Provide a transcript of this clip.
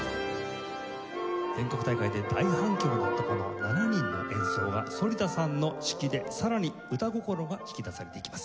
全国大会で大反響だったこの７人の演奏が反田さんの指揮でさらに歌心が引き出されていきます。